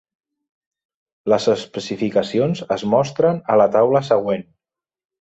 Les especificacions es mostren a la taula següent.